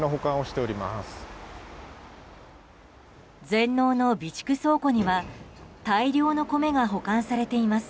全農の備蓄倉庫には大量の米が保管されています。